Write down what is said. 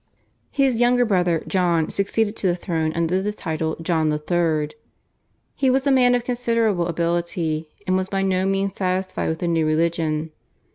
His younger brother John succeeded to the throne under the title John III. He was a man of considerable ability, and was by no means satisfied with the new religion.